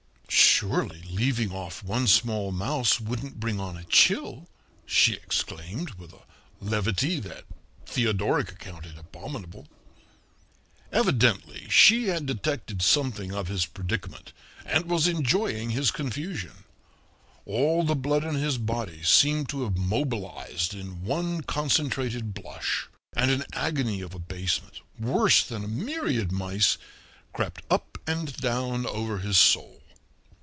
"Surely leaving off one small mouse wouldn't bring on a chill," she exclaimed, with a levity that Theodoric accounted abominable. Evidently she had detected something of his predicament, and was enjoying his confusion. All the blood in his body seemed to have mobilized in one concentrated blush, and an agony of abasement, worse than a myriad mice, crept up and down over his soul.